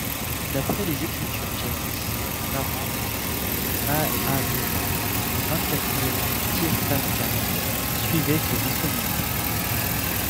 D'après les écritures jaïnes, les parents de Mahâvîra, le vingt-quatrième Tirthankara, suivaient ses enseignements.